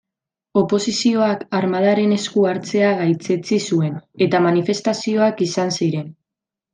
Oposizioak armadaren esku hartzea gaitzetsi zuen, eta manifestazioak izan ziren.